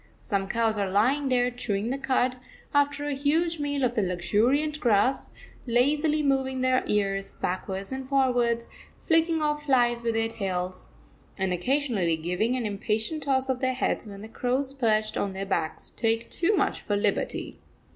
Some cows are lying there chewing the cud, after a huge meal off the luxuriant grass, lazily moving their ears backwards and forwards, flicking off flies with their tails, and occasionally giving an impatient toss of their heads when the crows perched on their backs take too much of a liberty.